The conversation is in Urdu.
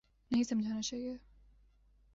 نہیں سمجھانا چاہیے۔